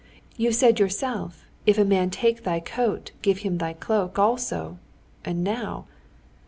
You said yourself: if a man take thy coat, give him thy cloak also, and now...."